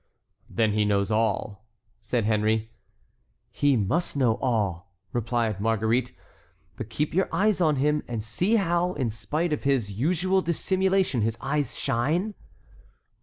"Then he knows all," said Henry. "He must know all," replied Marguerite; "but keep your eyes on him and see how, in spite of his usual dissimulation, his eyes shine."